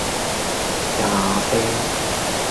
咖啡